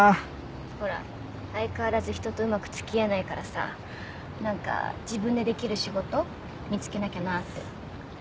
ほら相変わらず人とうまく付き合えないからさ何か自分でできる仕事見つけなきゃなって。